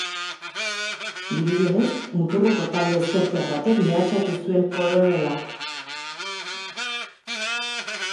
Dirudienez, muturreko talde ezkertiar batek mehatxatu zuen koronela.